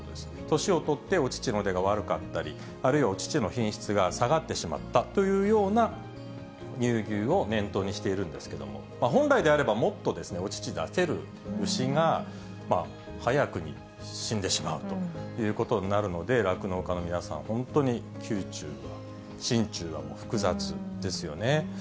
年を取ってお乳の出が悪かったり、あるいはお乳の品質が下がってしまったというような乳牛を念頭にしているんですけれども、本来であれば、もっとお乳出せる牛が、早くに死んでしまうということになるので、酪農家の皆さん、本当に心中はもう複雑ですよね。